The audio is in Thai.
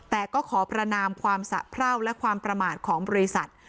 แต่ก็ขอประนามความสะเพราและความประมาทของบริษัท